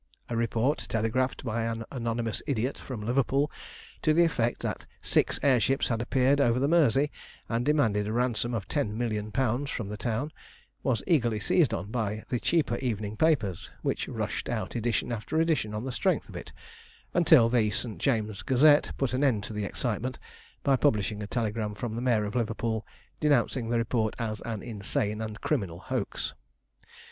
A report, telegraphed by an anonymous idiot from Liverpool, to the effect that six air ships had appeared over the Mersey, and demanded a ransom of £10,000,000 from the town, was eagerly seized on by the cheaper evening papers, which rushed out edition after edition on the strength of it, until the St. James's Gazette put an end to the excitement by publishing a telegram from the Mayor of Liverpool denouncing the report as an insane and criminal hoax.